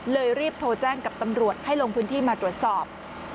รีบโทรแจ้งกับตำรวจให้ลงพื้นที่มาตรวจสอบ